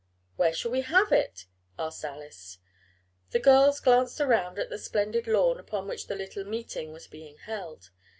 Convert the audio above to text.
"Where shall we have it?" asked Alice. The girls glanced around at the splendid lawn upon which the little meeting was being held.